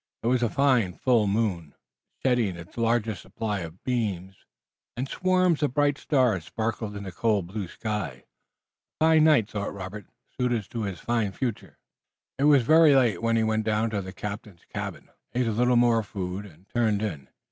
It was a fine full moon, shedding its largest supply of beams, and swarms of bright stars sparkled in the cold, blue skies. A fine night, thought Robert, suited to his fine future. It was very late, when he went down to the captain's cabin, ate a little more food and turned in.